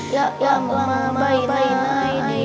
ya'u mama bainaini